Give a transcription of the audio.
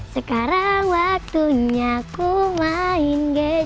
sekarang waktunya aku main gejek